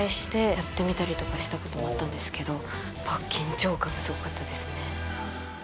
やってみたりとかしたこともあったんですけど緊張感がすごかったですね